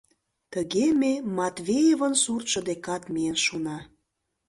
Тыге ме Матвеевын суртшо декат миен шуна.